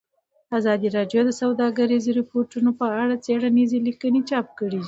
ازادي راډیو د سوداګریز تړونونه په اړه څېړنیزې لیکنې چاپ کړي.